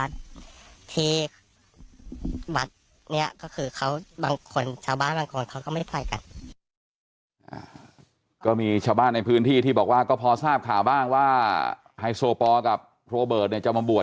แต่บางคนเขาก็เลือกใส่แต่วัด